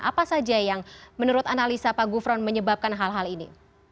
apa saja yang menurut analisa pak gufron menyebabkan hal hal ini